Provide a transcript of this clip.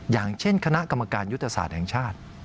อย่างเช่นคณะกรรมการยุทธศาสตร์แห่งชาติ